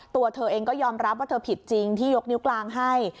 ตัวเธอเองก็ยอมรับว่าเธอผิดจริงที่ยกนิ้วกลางให้